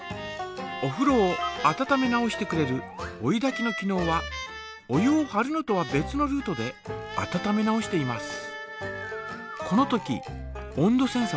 おふろを温め直してくれる追いだきの機のうはお湯をはるのとは別のルートで温め直しています。